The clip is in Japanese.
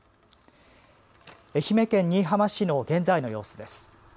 愛媛県新居浜市の現在の様子です。